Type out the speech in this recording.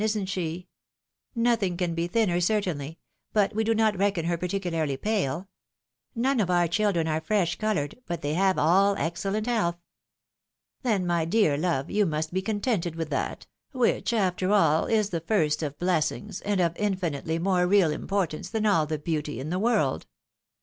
isn't she ?" Nothing can be thinner, certainly — but we do not reckon her particularly pale. None of our children are fresh coloured —but they have all excellent health." " Then, my dear love, you must be contented with that — which after all is the first of blessings, and of infinitely more real importance, than all the beauty in the world.